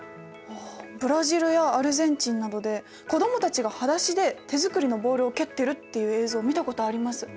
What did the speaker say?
ブラジルやアルゼンチンなどで子供たちがはだしで手作りのボールを蹴ってるっていう映像を見たことあります。